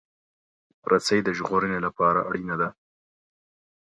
رسۍ د ژغورنې لپاره اړینه ده.